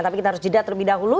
tapi kita harus jeda terlebih dahulu